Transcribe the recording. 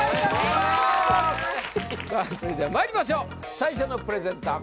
それではまいりましょう最初のプレゼンター